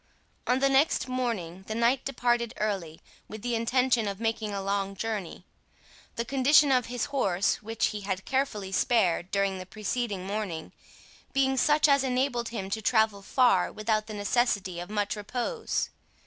On the next morning the knight departed early, with the intention of making a long journey; the condition of his horse, which he had carefully spared during the preceding morning, being such as enabled him to travel far without the necessity of much repose.